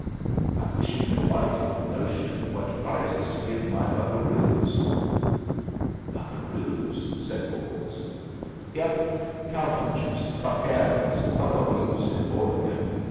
I wish you could light on a notion what prizes to give my buccaroos." "Buccaroos?" said Bolles. "Yep. Cow punchers. Vaqueros. Buccaroos in Oregon.